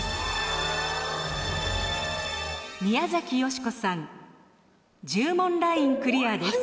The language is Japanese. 宮崎美子さん１０問ラインクリアです。